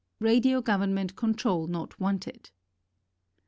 Radio Government Control Not Wanted.